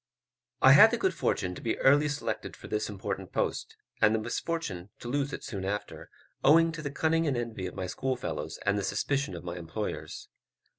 I had the good fortune to be early selected for this important post, and the misfortune to lose it soon after, owing to the cunning and envy of my schoolfellows and the suspicion of my employers.